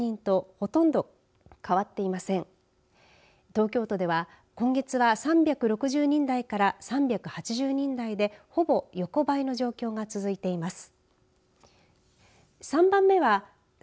東京都では今月は３６０人台から３８０人台で、ほぼ横ばいの状況が続いています。